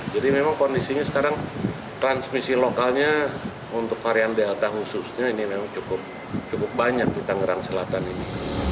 jadi memang kondisinya sekarang transmisi lokalnya untuk varian delta khususnya ini memang cukup banyak di tangerang selatan ini